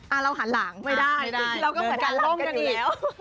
อ่ะเราหันหลังไม่ได้เราก็เหมือนกันห้องยังอีก